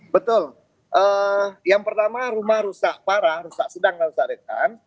betul yang pertama rumah rusak parah rusak sedang kalau saya rekan